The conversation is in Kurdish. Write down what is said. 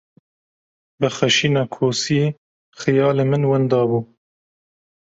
Bi xişîna kosiyê, xiyalê min winda bû.